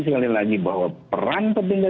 sekali lagi bahwa peran tertinggal